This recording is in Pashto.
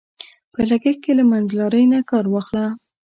په لګښت کې له منځلارۍ نه کار واخله.